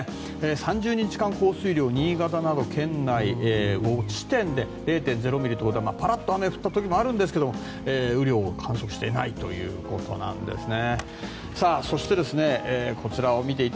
３０日間降水量新潟など県内５地点で０．０ミリということはパラッと降ったところもあるんですが雨量を観測していないということなんですね。